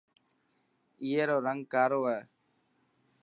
اي رو رنگ ڪارو هي.